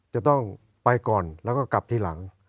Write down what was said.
จะต้องไปก่อนแล้วก็กลับทีหลัง